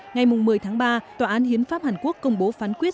ngày một mươi tháng ba tòa án hiến pháp hàn quốc công bố phán quyết